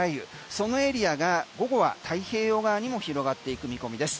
そのエリアが午後は太平洋側にも広がっていく見込みです。